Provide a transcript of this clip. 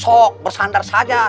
sok bersandar saja